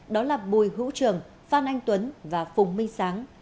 đó là bùi hữu trường phan anh tuấn và phùng minh sáng